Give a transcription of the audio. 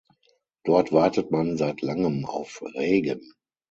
Dort wartet man seit langem auf Regen.